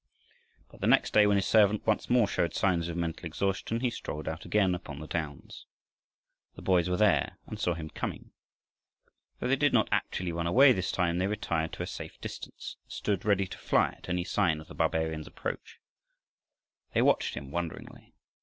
But the next day, when his servant once more showed signs of mental exhaustion, he strolled out again upon the downs. The boys were there and saw him coming. Though they did not actually run away this time, they retired to a safe distance, and stood ready to fly at any sign of the barbarian's approach. They watched him wonderingly.